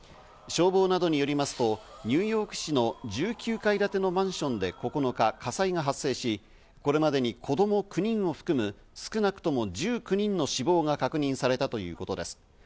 消防などによりますと、ニューヨーク市の１９階建てのマンションで９日、火災が発生し、これまでに子供９人を含む、少なくとも１９人の死亡が確認されたということです。